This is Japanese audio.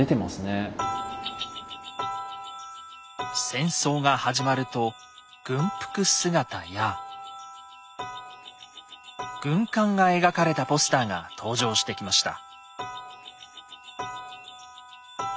戦争が始まると軍服姿や軍艦が描かれたポスターが登場してきました。